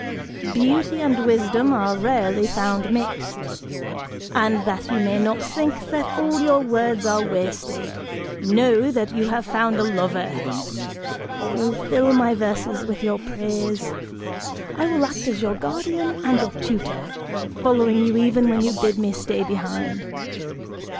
Beauty and wisdom are rarely found mixed! And that you may not think that all your words are wasted, know that you have found a lover! I will fill my verses with your praise! I will act as your guardian and your tutor, following you even when you bid me stay behind!